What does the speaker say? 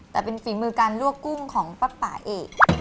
แต่เป็นฝีมือการลวกกุ้งของป้าป่าเอก